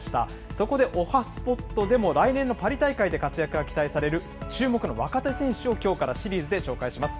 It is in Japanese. そこでおはＳＰＯＴでも、来年のパリ大会で活躍が期待される注目の若手選手をきょうからシリーズで紹介します。